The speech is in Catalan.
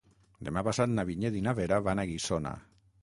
Demà passat na Vinyet i na Vera van a Guissona.